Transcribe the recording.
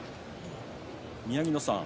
宮城野さん